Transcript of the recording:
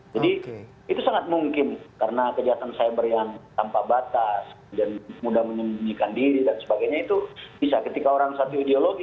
jadi itu sangat mungkin karena kejahatan cyber yang tanpa batas dan mudah menyembunyikan diri dan sebagainya itu bisa ketika orang satu ideologi